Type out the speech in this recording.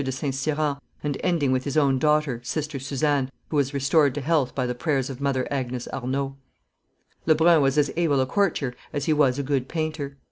de St. Cyran, and ending with his own daughter, Sister Suzanne, who was restored to health by the prayers of Mother Agnes Arnauld. [Illustration: Mignard 677] Lebrun was as able a courtier as he was a good painter.